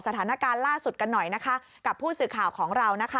สถานการณ์ล่าสุดกันหน่อยนะคะกับผู้สื่อข่าวของเรานะคะ